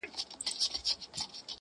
o چرگه چي ببره سي، بده جناوره سي٫